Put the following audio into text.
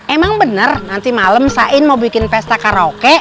emang bener nanti malam sain mau bikin pesta karaoke